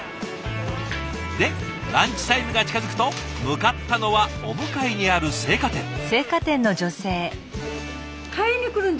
でランチタイムが近づくと向かったのはお向かいにある青果店。